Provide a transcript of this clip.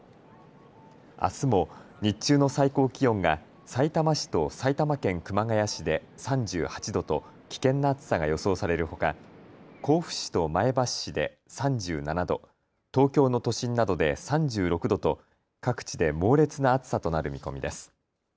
あすも日中の最高気温がさいたま市と埼玉県熊谷市で３８度と危険な暑さが予想されるほか、甲府市と前橋市で３７度、東京の都心などで３６度と各地で猛烈な暑さとなる見込みです。